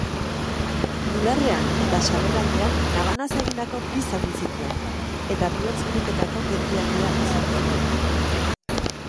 Bularrean eta sabelaldean labanaz egindako bi zauri zituen eta bihotz-biriketako geldialdia izan zuen.